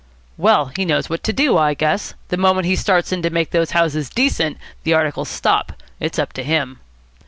"Well, he knows what to do, I guess. The moment he starts in to make those houses decent, the articles stop. It's up to him."